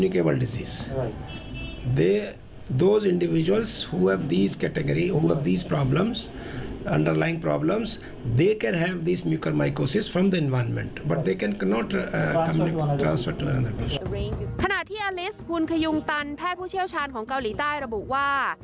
ขณะที่ลิสกุลคยุงตันแพทย์ผู้เชี่ยวชาญของเกาหลีใต้ระบุว่า